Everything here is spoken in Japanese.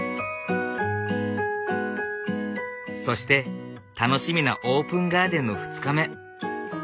そして楽しみなオープンガーデンの２日目。